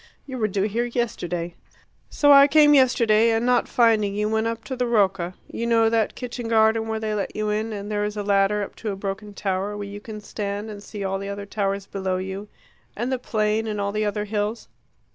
You were due here yesterday. So I came yesterday, and, not finding you, went up to the Rocca you know that kitchen garden where they let you in, and there is a ladder up to a broken tower, where you can stand and see all the other towers below you and the plain and all the other hills?"